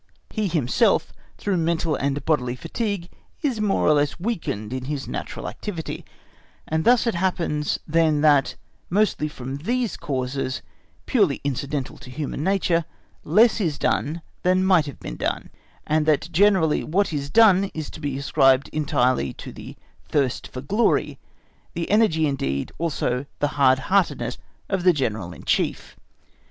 He himself, through mental and bodily fatigue, is more or less weakened in his natural activity, and thus it happens then that, mostly from these causes, purely incidental to human nature, less is done than might have been done, and that generally what is done is to be ascribed entirely to the thirst for glory, the energy, indeed also the hard heartedness of the General in Chief.